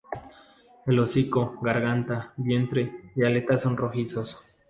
El hocico, garganta, vientre y las aletas son rojizos.